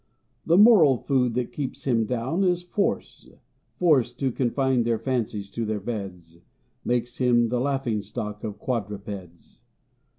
= The moral food that keeps him down is Force, `Force to confine his fancies to their beds. [Illustration: 028] Makes him the laughing stock of quadrupeds.